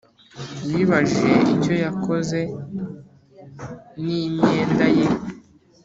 yibajije icyo yakoze n'imyenda ye